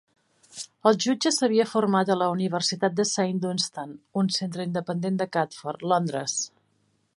El jutge s'havia format a la Universitat de Saint Dunstan, un centre independent de Catford, Londres.